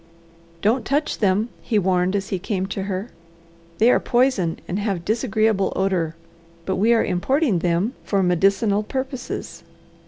"Don't touch them," he warned as he came to her. "They are poison and have disagreeable odour. But we are importing them for medicinal purposes.